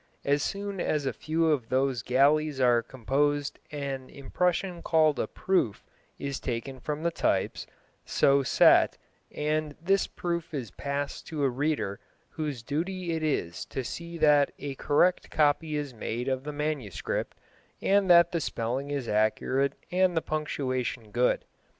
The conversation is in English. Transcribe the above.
As soon as a few of those galleys are composed an impression called a "proof" is taken from the types so set, and this proof is passed to a reader whose duty is to see that a correct copy is made of the manuscript, and that the spelling is accurate and the punctuation good.